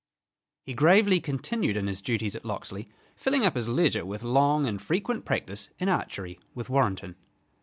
He gravely continued in his duties at Locksley, filling up his leisure with long and frequent practice in archery with Warrenton.